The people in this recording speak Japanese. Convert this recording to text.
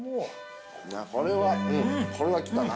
◆これは来たな。